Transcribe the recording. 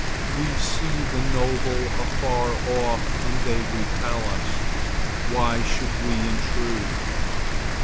We see the noble afar off and they repel us; why should we intrude?